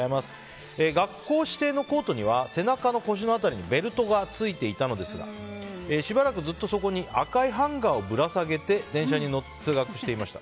学校指定のコートには背中の腰の辺りにベルトがついていたのですがしばらくずっとそこに赤いハンガーをぶら下げて電車で通学していました。